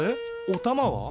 おたまは？